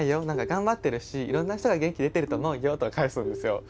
頑張ってるしいろんな人が元気出てると思うよ」とか返すんですよ。